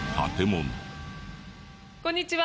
こんにちは。